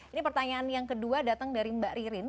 ini pertanyaan yang kedua datang dari mbak ririn